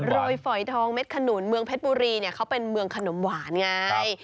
ฝอยทองเม็ดขนุนเมืองเพชรบุรีเนี่ยเขาเป็นเมืองขนมหวานไง